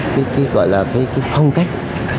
cái gọi là cái phong cách